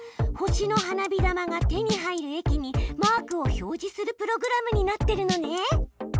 星の花火玉が手に入る駅にマークを表示するプログラムになってるのね！